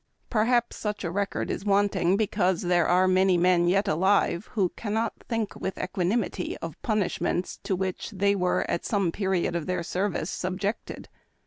Per haps such a record is wanting be cause there are many men yet alive who cannot think with equanimity of punishments to which they were at some period of their service subjected.